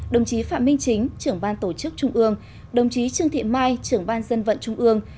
đồng chí phạm minh chính trưởng ban tổ chức trung ương đồng chí trương thị mai trưởng ban dân vận trung ương